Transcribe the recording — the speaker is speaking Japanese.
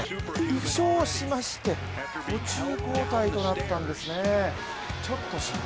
負傷しまして、途中交代となったんですね、ちょっと心配。